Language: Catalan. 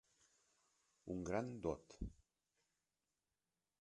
Un gran dot!